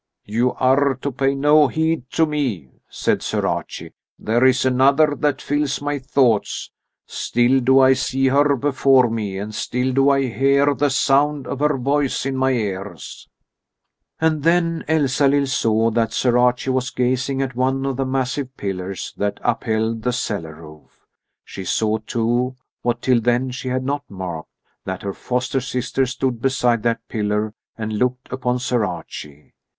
"You are to pay no heed to me," said Sir Archie. "There is another that fills my thoughts. Still do I see her before me, and still do I hear the sound of her voice in my ears." And then Elsalill saw that Sir Archie was gazing at one of the massive pillars that upheld the cellar roof. She saw, too, what till then she had not marked, that her foster sister stood beside that pillar and looked upon Sir Archie.